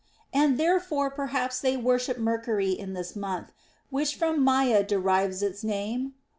And therefore perhaps they worship Mercury in this month, which from Maia derives its name?